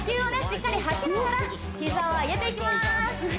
しっかり吐きながら膝を上げていきます